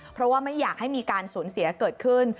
เพราะว่าไม่อยากให้มีการสูญเสียเกิดขึ้น